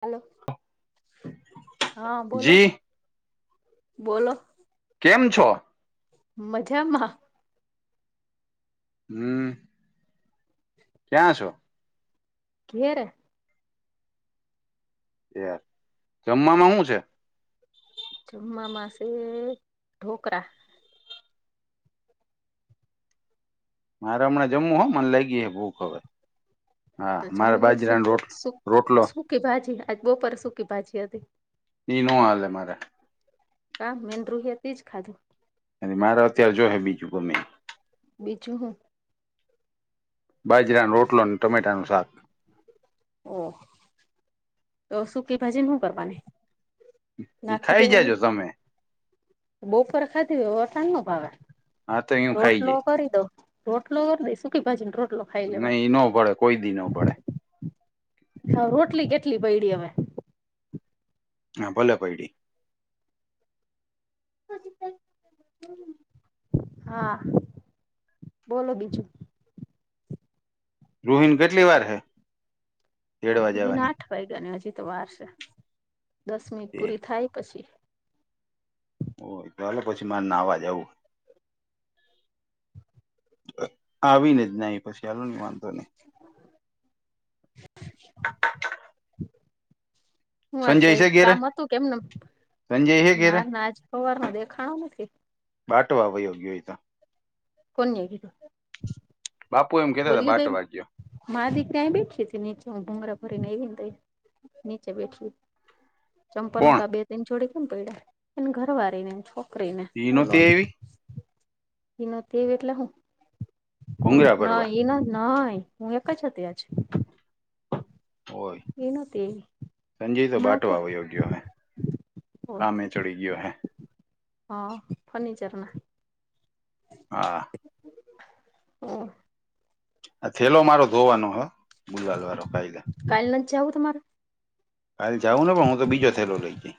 Hello હા બોલો જી બોલો કેમ છો? મજામાં. હમ. હ ક્યાં છો? ધેરે. જમવામાં હુ છે? જુંમમા માસે ઢોકરા મારે હમણાં જમું હો મને લાયગી હે ભૂખ હવે હા તો મારા બાજરાન રોટ રોટલો કી ભાજી આજ બો પર સુકી ભાજી હતી ઈ ન હાલે મારે કા મેન રુંહીતી જ ખાધી અને માર અત્યારે જોહે બીજું ગમે બીજું હું બાજરા રોટલો અને ટમેટાનું શાક ઓ તો સુકી ભાજીન હુ કરવાની એ નાખી ખાઈ જજો તમે દેવાની બોપર ખાધી અતાર ન ભાવે હા તો હું ખાઈ રોટલો જાય કરી દો રોટલો દ સુકી ભાજી ને રોટલો ખાઈ લેવાય નહી ન પડે કોઈ દી ન પડે હા રોટલી કેટલી પયડી અવે હા ભલે પયદી હા બોલો બીજું [unintelligible] કેટલી વાર હૈ રુહીને આઠ વાગ્યા ને હજી તો વારસે દસ મિનિટ એ પૂરી થાય પછી ઓય તો હાલે પછી મારે નાવા જવું આવીને જ નાય પછી ચાલુ નઈ વાંધો નહી [inaudible] હું આજે સંજય છે ઘેરે કામ હતું કેમને સંજય હે ઘેરે નાર ના આજ પવાર નો દેખાણો નથી બાટો આવયો ગયોય તો કોનીએ કીધું? બાપુ એમ કેતા તા બાટ વાગ્ય મા-દીકરા અહીં બેઠીઓ તો ને હું ભુંંગરા ભરીન આઈવીન તઈ. નીચે બેઠી ચંપલ હુ કોણ કા બે-તઈન જોડી કેમ પઈડા? એન ઘરવારીને, એન છોકરીને, ઈ નહોતી હૂલોને આવી ઈ નતી એટલે હુ? ભૂંગરા ભરવા નઈ એ નઈ નઈ હું એક જ હતી આજ. હોય એ નતી સંજય તો હમણાં બાટો કે આવયો ગયો હે કામે ચડી ગયો હે હ ફર્નિચરના હા. [inaudible] આ થેલો મારો ધોવાનો હો ગુવાલ વારો કાયગા કાલ ન જાઉં તમારે કાલ જાઉને પણ હું તો બીજો થેલો લઈ જઈ.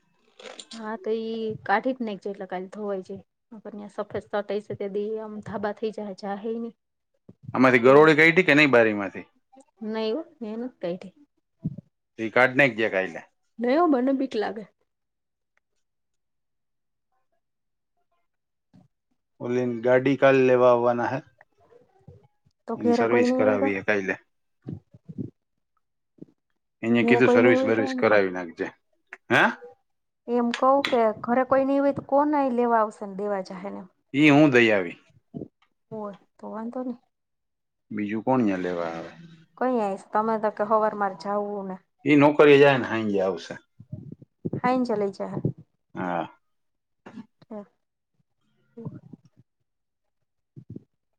હા તો ઈ કાઠી જ ને છે એટલે કા ધોવાય છે. ત્યાં સફેદ સટઈ છે તે દી આમ ધાબા થઈ જાય જા હ નહી. આમાંથી ગરોળી ગઈ ટી નહી બારી માંથી. નયવ મહેનત કયરી તો ઈ કાઢ નાઈખજે કાઈલે. નયો મને બીક લાગે ઓલીન ગાડી કાલ લેવા આવાના હૈ તો ધેરે કોઈ ની હોય તો કરાવી હે કાલે એંને ઘેરે કીધું કોઈ નહી સર્વિસ હોય તો બર્વિસ એમ કવ કરાવી નાખજે હ. એમ કહું કે ઘરે કોઈ નઈ હોય તો કોને લેવા આવશે ને દેવાજાહે ને. ઈ હું દઈ આવી. હોય તો વાંધો ન‌ઇ. બીજું કોણ અયાં લેવા આવે. કઈ આઈશ તમે તો કે હવાર મા જાઉં હે ને. ઈ નોકરી જાય ને હાયજે આવશે. આઇન ચલે જા. હા. હમ્મ. [inaudible]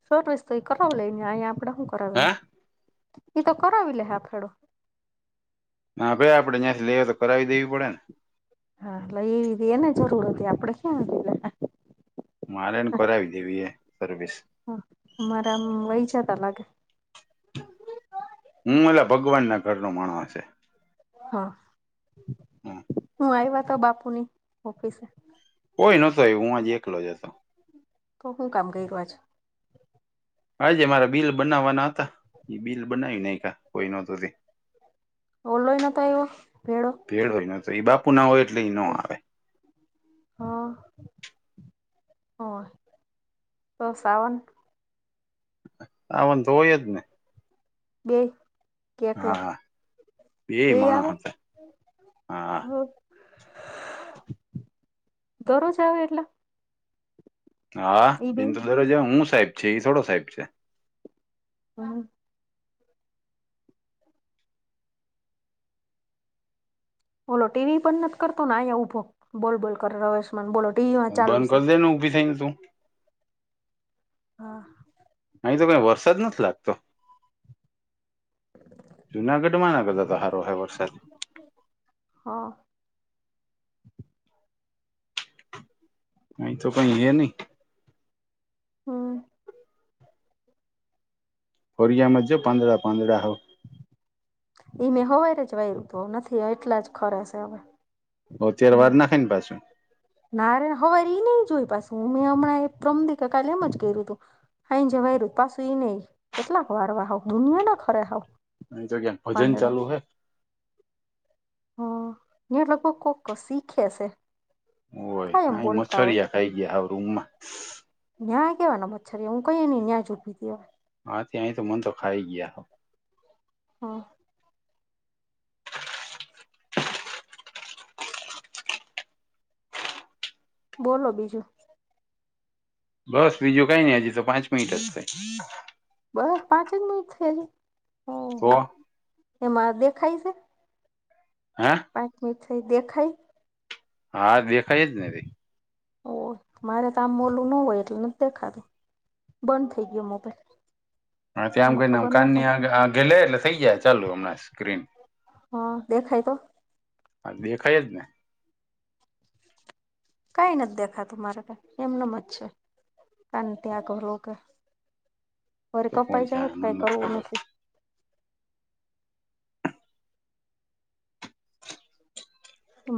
સરો રસ તો એ કરાવ લઈ ને અયા આપડે હું. કરવીને હા એ તો કરાવવી લે હા ફેડો. હા આપડે આપે જ્યાંથી લઈએ તો કરાવી દેવી પડે ને. હા લ‌ઇ લીધી એને જરૂર હતી આપડે ક્યાં હતી. મારેને કરાવી દેવી એ સર્વિસ. હ અમારા આમ વહી જતા લાગે. હું એલા ભગવાન ના ઘરનો માણો હશે. હા. હમ્મ. હું આવ્યા તો બાપુની ઓફિસે. કોઈ નોતો હું આજે એકલો જ હતો. તો હું કામ કર્યો આજ. આજે મારા બિલ બનાવવાના હતા બિલ બનાવી નાયખાયા કોઈ નહોતું તે. ઓલો એ નોતો આવ્યો ભેડો. ભેડો નોતો એ બાપુ ના હોય એટલે એઈ ન આવે. હા. હોવે તો શ્રાવણ. આવ ન ધોયત ને. બે. કેટલો હા બે માણસ આવે. હતા હા દરરોજ આવે એટલે. હા ઈ બે એ તો દરોજ હું સાહેબ છે એ થોડો સાહેબ છે. હમ્મ. બોલો ટીવી પણ નથી કરતો ને અહીંયા ઉભો બોલ બોલ કર આયુષ્યમાન બોલો ટીવી માં ચાલુ છે. શેનું ઊભી થઈને તું. હા. અહીં તો કઈ વરસાદ નથી લાગતો. જુનાગઢ માં આના કરતા તા હારો હારો વરસાદ. હા. અહી તો કઈ હે નહી. હા. ફરીયામાં જો પાદડા પાંદડા હ. એઈ મે હવારે જ વાયરુ તું તો નથી એટલા જ ખરે શે હવે. હ અત્યારે વાર નાખને પાછું. નારે હવાર ઈ નઈ જોયું પાછું હું મેં હમણાં એ પ્રરમ દી કા કાલે એમ જ કર્યું તું. ખાઈ ને જવાય રૂ પાસુ ઈ નહિ કેટલાક ભાવરવા હ દુનિયા ના ખરે હાવ. એ જગ્યા ભજન પાંદડા ચાલુ હે. હમ્મ એ લોકો કોક ક સિખેશે. હોવે કાઈ મછરિયા ખાઈ ગયા હાવ રૂમમાં. ન્યાં કેવા નુ મચ્છર રીયુ હું કઈ ની ન્યા ઊભી તી. હા ત્યાંય તો મન તો ખાઈ ગયાં. હ. બોલો બીજું. બસ બીજું કાઈ નઈ હજી તો પાંચ મિનિટ જ થઈ. બસ પાંચે જ મિનિટ થઈ હજુ, તો ઓહો! એમાં દેખાય શે? હા. પાંચ મિનિટ થઈ દેખાય? હા દેખાય જ ને તી. ઓહ! મારે કામ ઓલું ન હોય એટલે નથ દેખાતું. બંધ થઈ ગયો મોબાઈલ. હ તે આમ એમાં કરીન આમ ખબર ન કાને પડે આ આઘે લે એટલે થઈ જાહે ચાલુ હમણાં સ્ક્રીન. હ દેખાય તો. હા દેખાય જ ને. કાઈ નથ દેખાતું મારે તો એમનમ જ છે. કાન ત્યાં કરું ઓકે વરી તો કોણ કપાય જાહે જાણે તો મને કાઈ કરવું ખબર નથી.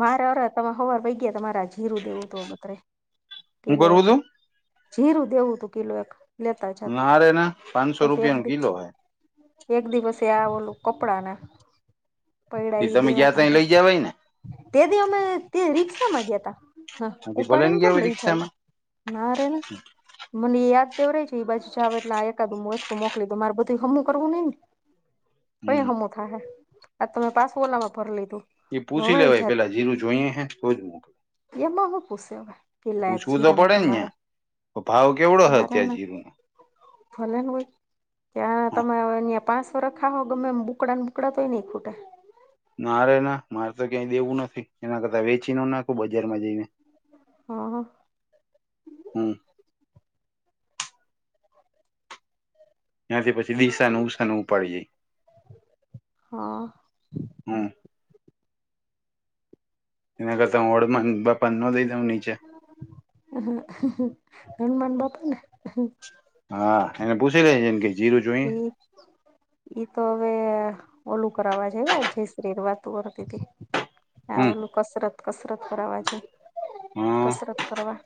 મારે અરે અરે તમારા હવાર ભઈ ગયા તમારે જીરું દેવું તો બતરે હું કિલો એક. કરવું તું જીરું દેવું તું કિલો એક, લેતા જાત ના રે ના પાંચસો પછી એક રૂપિયા નો દી કિલો હે એક દિવસે આ ઓલું કપડાને પયડા એ ઈ તમે ગયા દેવાના તા હે. લઈ જવાય ને તે દી અમે તે રિક્ષામાં ગયાં તા હા બાકી ભલે ને ઉપાડીન ગયા કેમ હોય લઈ જાઉં? રિક્ષામાં ના રે ના. મને એ યાદ દેવરાય જો ઈ બાજુ જાવ એટલે આ એકાદું વસ્તુ મોકલી દવ મારે બધુંય હમું કરવું નહીં ને. હમ કયુ હમુ થાહે? આ તમે પાસું ઓલામાં ભર લીધું. એ પૂછી હવાઈ લેવાય જાત પેલા જીરું જોઈએ હે તો જ મો એમાં હું પૂસે અવે? કિલા એક પૂછવું તો જીરામાં પડે ને તમારે યાં ભાવ કેવડો હ ના રે અત્યારે ના. જીરું ભલે ને હોય ત્યાં નો તમે ન્યા પાંસો રખાવસો ગમે એમ બુકડાને બુકડા તોય નહીં ખૂટે. ના રે ના મારે તો ક્યાંય દેવું નથી એના કરતાં વેચીને નો નાખું બજારમાં જઈને. હ. હમ્મ. ત્યાંથી પછી દિશાનું ઉસાનું ઉપાડી જાય હ હમ્મ. એના કરતા હોળમાન બાપાન નો દઈ દઉં નીચે. હનમાન બાપાને. હા એને પૂછી લે [unintelligible] હમ્મ. ઈ તો હવે ઓલું કરાવા જય શ્રી હારે વાતું કરતી તી. આ હમ ઓલું કસરત કસરત કરઃવા છે હ કસરત કરવા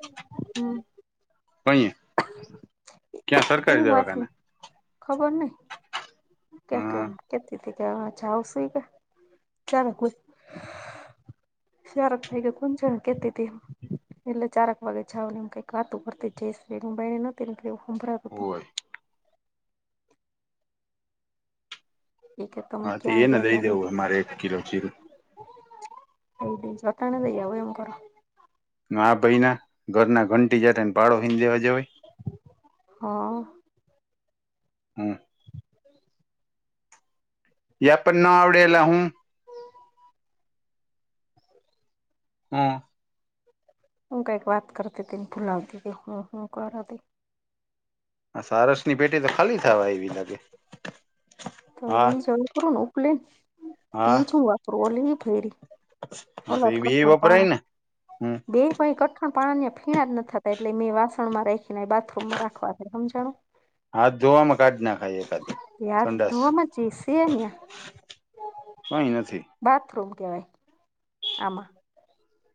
હમ્મ. કોઈ હે? એ વા થુ ખબર નહીં. કે હા કેમ કેતી તી કે છે અવે જાવશી કે ચાલ શારદભાઈ કે કુજણ કેતી તી. એટલે ચારક વાગે જાવ ને એમ કઈક વાતું કરતી જઈ બને નથી એવું સંભળાતું તું. હોય હતું એ કે તમે હા તો ક્યાં એને ગયા દઈ તા ને. દેવું હે મારે એક કિલો જીરું એય કઈ જતા નથી એય એમ કરો. ના ભઈ ના ઘરના ઘંટી જાને ભાળો હઈન દેવા જવાય. હ. હા. યા પણ ન આવડેલા હું. હમ. હું ક એક વાત કરતી હતીને ફૂલાવતી હું હું કરતી. સારસ ની પેટી તો ખાલી થવા એવી લાગે. તો હા એજ વાપરું ને ઉપલે ને તેજ હા હું વાપરું ઓલી ફેરી. હા તો ઓત એ બે કર પા વપરાય ને હમ બે. કો કઠણ પાણી ને ફીણા જ ન થતા એટલે મેં વાસણ માં રાખીને બાથરૂમમાં રાખવા સમજાણો. [inaudible] હાથ જોવામાં ક જ નાખાય એકાદ હાથ સંડસ ધોવામાં જે સે ને [inaudible] [inaudible] કઈ નથી. બાથરૂમ કવાય. આમાં.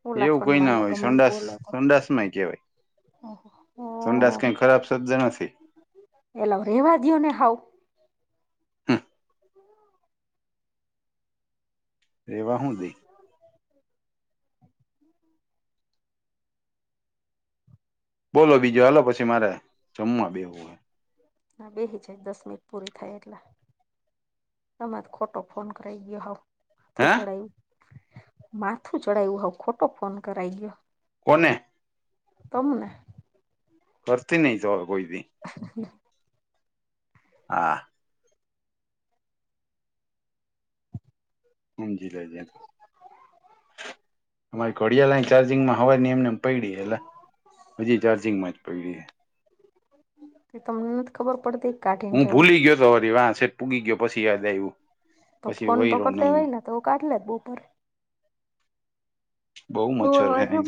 ઓલા એવું કઈ ફોનમાં ના હોય ગમે સંડા બોલો તો સંડાસ માંય કેવાય. ઓ સંડાાસ કઈ ખરાબ શબ્જ નથી. એલા રેવા દઓ ને હાવ. હમ રેવાહું દે. બોલો બીજો હાલ પછી મારે જમવા બેવું હોય. ના બે હ જાય દસ મિનિટ પૂરી થાય એટલા. તજ ખોટો ફોન કરાઈ ગયો હ. હે માથું ચડાયું માથું ચડાયું હ ખોટો ફોન કરાઈ ગયો કોને? તમને. કરતી નહી તો કોઈથી હમ. હા. હાજીીજ. અમારી ઘડિયા લાઈન ચાર્જિંગમાં હવા ની એમને એમ પડી એટલે હજી ચાર્જંગ માચ પઈ ર. [unintelligible] એ તમને નથી ખબર પડતી એક કાઠિન છેવાય. રી વા સેઠ પૂગી ગયો પછી યાદ આવ્યું. તો પછી ફોન તો વયરો કરતા નહી હોય ને તો કાઢલે જ બપર. બઉુ મચ્છર છે અહીં.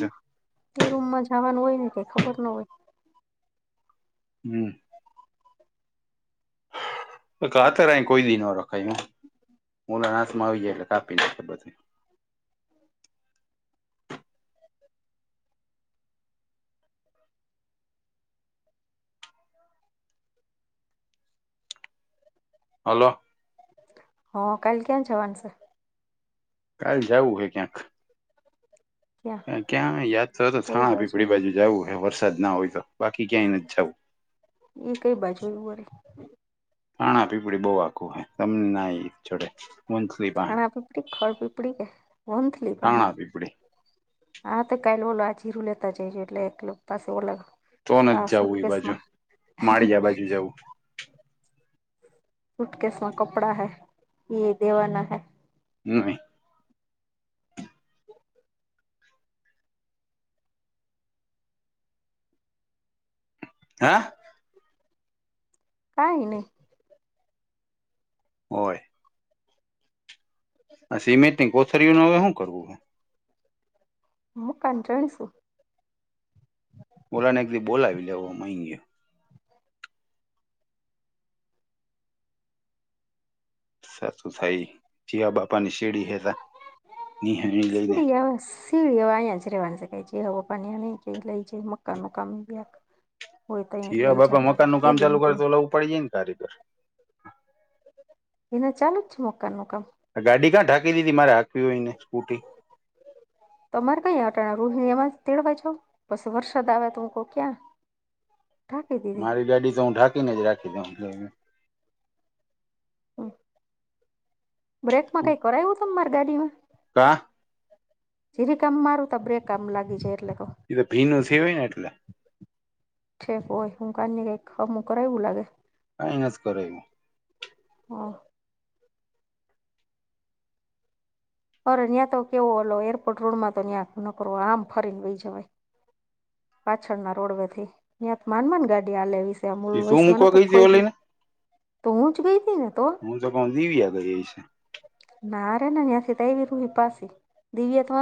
તે રૂમમાં જવાનું હોય ને કઈ ખબર ના હોય. હમ. આતર કોઈ દી ન રખાય હું હાથમાં આવી જાય એટલે કાપી ના. હલો. હ કાલલે ક્યાં છવાન સર? કાલ જવું હે ક્યાંક. ક્યાં ક્યાં યાદ તો તો થાણા પીપળી બાજુ જવું વરસાદ ના હોય તો બાકી ક્યાંય ન જવું. એ કઈ બાજુ હો. નાાણા પીપળી બહુ આખું હોય તમને ના જોડે મનસલી [unintelligible] ખાણા પીપડી ખળ પીપડી કે વંધંધલી પાસે થાણા પીપળી [unintelligible] હા તો કાલે ઓલો આ જીરું લેતા જઈજ એટલે એક પાસે ઓલગ તો આ નથી સૂટ જવું એ બાજુ કેસમાં માળિયા બાજુ જવું સૂટ કેસ માં કપડાં હૈ એ દેવાના હૈ. હમ્મ. હા. કઈ નહી. હોય. સિમેન્ટિંગ કોથરીઓ ન હવે શું કરવું હ? હું કંન્ટાણીશું. ઓલા ને કી બોલવી લઉ મેંઈએ. સાચું થઈ જીવા બાપા ની શેડી હેદા નિહાણી લઈને પાસ સીડી અહીંયા જ રેવાની શકાય છે હવે પા ન ક લઈ જાય મકાનનું કામ લે એક હોય તો અહીંયા લઈ જતા હોય કે દિન ભાઈ. પડીએન કારીગર એના ચાલુ જ છે મકાન નું કામ? ગાડી ક્યાં ઢાકી દીધી મારે હાકવી હોય ને સ્કૂટી. તમારે કઈ હટાણા રોહિણી એમાં તેડવા જા બસ વરસાદ આવ્યા ત હું કહ ક્યાં ઢાંકી દીધી મારી ગાડી તો હું ઢાંકીને જ રાખી દઉં એટલે એ હ બ્રેકમાં કઈ કરાયું છે માર ગાડીમાં? કાહ. જીરી કામ મારું તો બ્રેક કામ લાગી જાય એટલે કહું. એ તો ભીનું સેવે ને એટલે. છેક હોય હું કને કઈકમું કરાવવું લાગે. હા, એમજ કારએ વો. હા. અરે ત્યાં તો કેવો હલો એરપોર્ટ રોડમાં તો ત્યાં નકરો આમ ફરીને વહી જવાય. પાછળ ના રોડવે થી ત્યા માનમાન ગાડી આ લેવી તે ત્યાંમળ તું વૈશ માં ન મૂકવા તો ગઈ તી ખોઈ દું ઓલીને તો હું જ ગઈ હતી ને તો હું તો પણ દીવયા ગ જઈ છે. ના રેના અસી તો એવી રૂહી પાાસ દવીયા તો